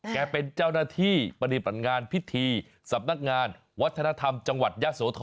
แกเป็นเจ้าหน้าที่ปฏิบัติงานพิธีสำนักงานวัฒนธรรมจังหวัดยะโสธร